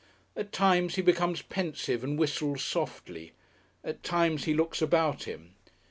At times he becomes pensive and whistles softly. At times he looks about him.